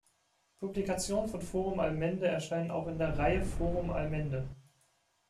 Publikationen von Forum Allmende erscheinen auch in der „Reihe Forum Allmende“.